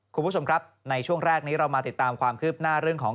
คุณผู้ชมครับในช่วงแรกนี้เรามาติดตามความคืบหน้าเรื่องของ